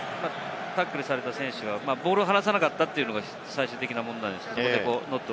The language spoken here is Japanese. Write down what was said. タックルされた選手がボールを離さなかったのが最終的な判断ですね。